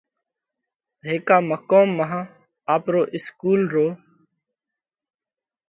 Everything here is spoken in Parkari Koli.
هيڪا مقوم مانه آپرو اِسڪُول رو